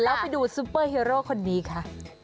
แล้วไปดูซุปเปอร์ฮีโร่คนนี้ค่ะ